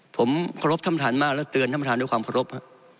ผมขอบธรรมฐานมากและเตือนธรรมฐานด้วยความขอบธรรม